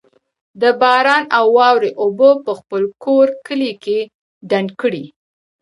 د باران او واورې اوبه په خپل کور، کلي کي ډنډ کړئ